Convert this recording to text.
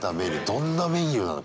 どんなメニューなの？